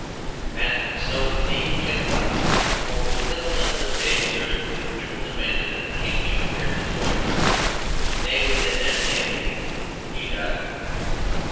And so indeed it came about. For within the limit of days during which ritual demanded that the King should wear his white garment, nay, within that same week, he died.